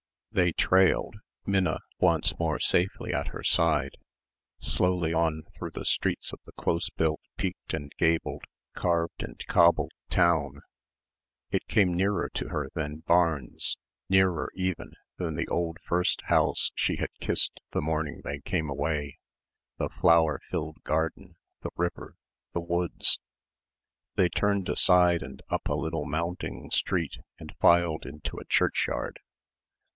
They trailed, Minna once more safely at her side, slowly on through the streets of the close built peaked and gabled, carved and cobbled town. It came nearer to her than Barnes, nearer even than the old first house she had kissed the morning they came away the flower filled garden, the river, the woods. They turned aside and up a little mounting street and filed into a churchyard.